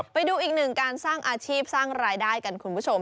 ไปดูอีกหนึ่งการสร้างอาชีพสร้างรายได้กันคุณผู้ชม